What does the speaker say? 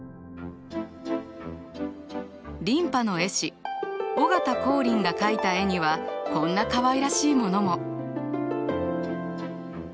琳派の絵師尾形光琳が描いた絵にはこんなかわいらしいものも。